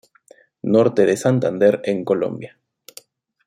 Norte de Santander en Colombia.